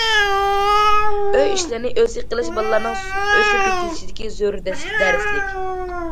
ئۆي ئىشلىرىنى ئۆزى قىلىش بالىلارنىڭ ئۆسۈپ يېتىلىشىدىكى زۆرۈر دەرسلىك.